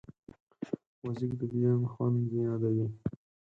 موزیک د دیدن خوند یادوي.